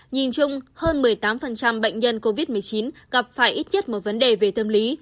nhìn chung hơn một mươi tám bệnh nhân covid một mươi chín gặp phải ít nhất một vấn đề về tâm lý